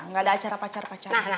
nggak ada acara pacar pacaran